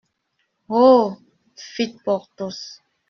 Oh ! fit Porthos.